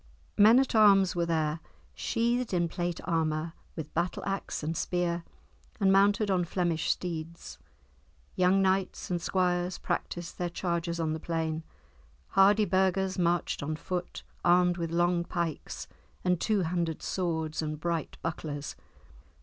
Men at arms were there, sheathed in plate armour, with battle axe and spear, and mounted on Flemish steeds. Young knights and squires practised their chargers on the plain. Hardy burghers marched on foot, armed with long pikes and two handed swords and bright bucklers.